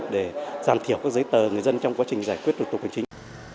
để giảm thiểu các giấy tờ người dân trong quá trình giải quyết thủ tục hành chính